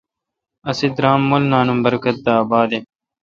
اسی درام مولینان ام برکت دے اباد این۔